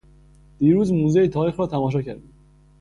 دیروز موزهٔ تاریخ را تماشا کردیم.